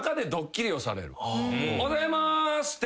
「おはようございます」って。